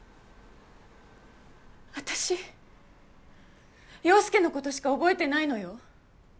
私陽佑のことしか覚えてないのよ？